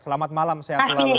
selamat malam sehat selalu